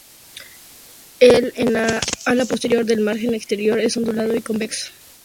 El en ala posterior el margen externo es ondulado y convexo.